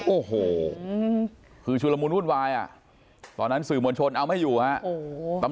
โอ้โหคือชุลมุนวุ่นวายอ่ะตอนนั้นสื่อมวลชนเอาไม่อยู่ฮะ